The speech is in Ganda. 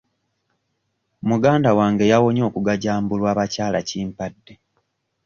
Muganda wange yawonye okugajambulwa bakyalakimpadde.